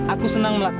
aku senang melakukannya